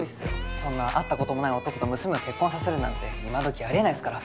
そんな会った事もない男と娘を結婚させるなんて今どきあり得ないっすから。